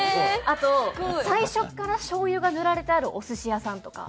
あと最初からしょうゆが塗られてあるお寿司屋さんとか。